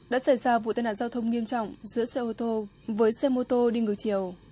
đã xảy ra vụ tai nạn giao thông nghiêm trọng giữa xe ô tô với xe mô tô đi ngược chiều